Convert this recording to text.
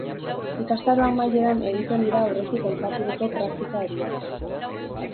Ikastaro amaieran egiten dira aurretik aipaturiko praktika horiek.